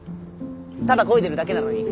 ただこいでるだけなのに。